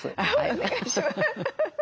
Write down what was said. お願いします。